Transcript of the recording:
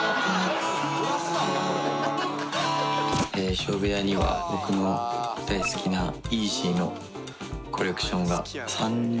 衣装部屋には僕の大好きなＹＥＥＺＹのコレクションが。